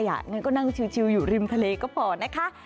งั้นก็นั่งชิวอยู่ริมทะเลก็พอนะคะ